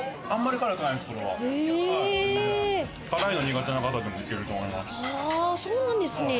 辛いの苦手な方でもいけると思います。